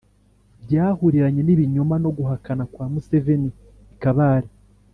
byahuriranye n’ibinyoma no guhakana kwa museveni i kabale